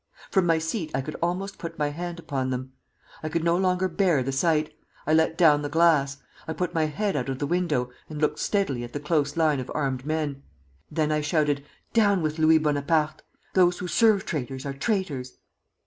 From my seat I could almost put my hand upon them. I could no longer bear the sight. I let down the glass, I put my head out of the window, and looked steadily at the close line of armed men. Then I shouted: 'Down with Louis Bonaparte! Those who serve traitors are traitors!'